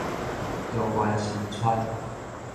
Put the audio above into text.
中原新村